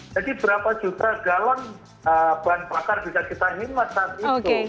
jadi berapa juta galon bahan pasar bisa kita himat saat itu